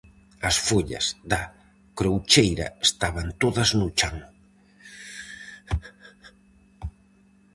As follas da croucheira estaban todas no chan.